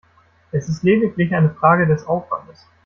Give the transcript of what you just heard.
Es ist lediglich eine Frage des Aufwandes.